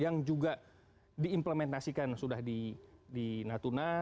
yang juga diimplementasikan sudah di natuna